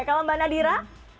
kalau mbak nadira